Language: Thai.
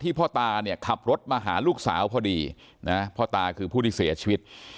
พ่อตาเนี่ยขับรถมาหาลูกสาวพอดีนะพ่อตาคือผู้ที่เสียชีวิต